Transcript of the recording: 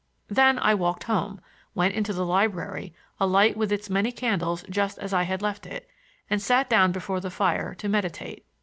Then I walked home, went into the library, alight with its many candles just as I had left it, and sat down before the fire to meditate.